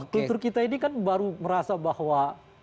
kultur kita ini kan baru merasa bahwa